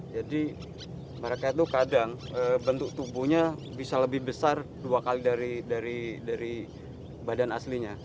jadi mereka itu kadang bentuk tubuhnya bisa lebih besar dua kali dari badan aslinya